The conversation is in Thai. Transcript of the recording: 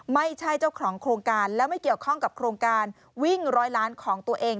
ไม่ใช่เจ้าของโครงการแล้วไม่เกี่ยวข้องกับโครงการวิ่งร้อยล้านของตัวเอง